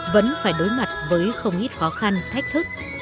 vẫn phải đối mặt với không ít khó khăn thách thức